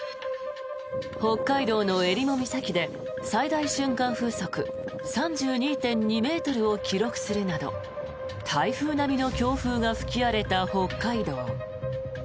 北海道のえりも岬で最大瞬間風速３２．２ｍを記録するなど台風並みの強風が吹き荒れた北海道。